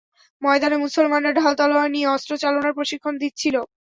ময়দানে মুসলমানরা ঢাল-তলোয়ার নিয়ে অস্ত্রচালনার প্রশিক্ষণ দিচ্ছিল।